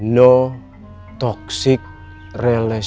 tidak ada hubungan beracun